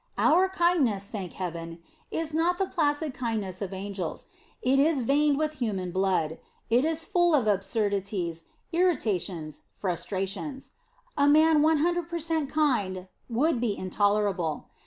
And our kindness, thank heaven, is not the placid kindness of angels; it is veined with human blood; it is full of absurdities, irritations, frustrations. A man 100 per cent. kind would be intolerable.